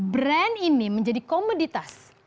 brand ini menjadi komoditas